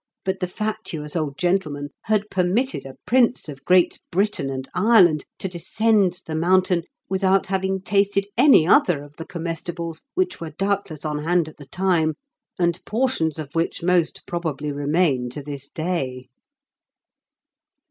But the fatuous old gentleman had permitted a Prince of Great Britain and Ireland to descend the mountain without having tasted any other of the comestibles which were doubtless on hand at the time, and portions of which most probably remain to this day.